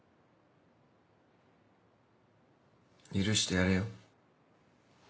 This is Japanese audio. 許してやれよ。